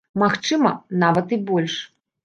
Магчыма, нават і больш.